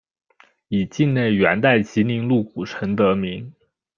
以境内元代集宁路古城得名。